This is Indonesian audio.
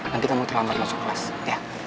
nanti kamu terlambat masuk kelas ya